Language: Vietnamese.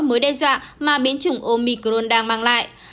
mối đe dọa mà biến chủng omicron đang mang lại